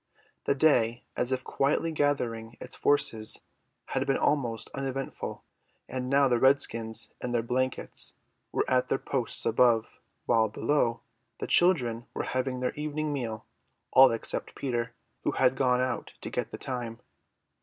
The day, as if quietly gathering its forces, had been almost uneventful, and now the redskins in their blankets were at their posts above, while, below, the children were having their evening meal; all except Peter, who had gone out to get the time.